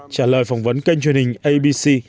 trả lời phỏng vấn kênh truyền hình abc